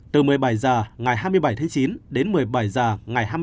từ một mươi bảy giả ngày hai mươi bảy tháng chín đến một mươi bảy giả ngày hai mươi tám tháng chín